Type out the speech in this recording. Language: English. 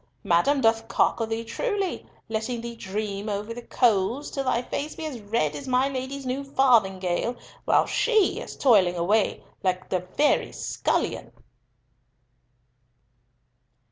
Madam doth cocker thee truly, letting thee dream over the coals, till thy face be as red as my Lady's new farthingale, while she is toiling away like a very scullion."